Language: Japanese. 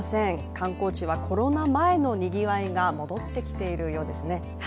観光地はコロナ前のにぎわいが戻ってきているようですね。